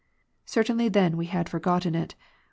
Certainly then we had forgotten it.